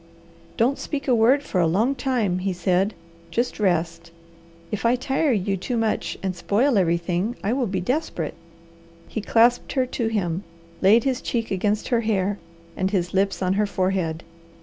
"Don't speak a word for a long time," he said. "Just rest. If I tire you too much and spoil everything, I will be desperate." He clasped her to him, laid his cheek against her hair, and his lips on her forehead.